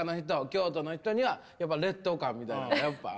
京都の人にはやっぱ劣等感みたいなんがやっぱ。